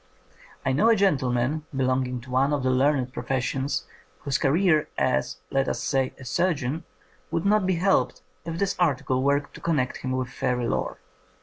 I know a gentleman belonging to one of the learned professions whose career as, let us say, a surgeon would not be helped if this article were to connect him with fairy lore.